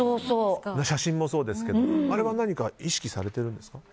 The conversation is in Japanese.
写真もそうですけど、あれは何か意識されているんですか？